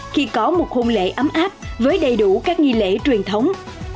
khi có một hôn lễ ấm áp với đầy đủ các nghi lễ truyền thống